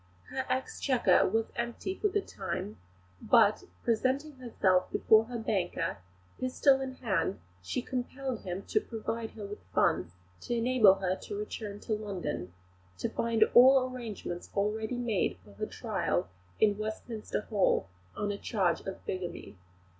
Her exchequer was empty for the time; but, presenting herself before her banker, pistol in hand, she compelled him to provide her with funds to enable her to return to London to find all arrangements already made for her trial in Westminster Hall on a charge of bigamy.